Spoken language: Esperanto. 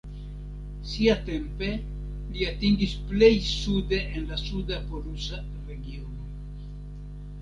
Siatempe, li atingis plej sude en la suda polusa regiono.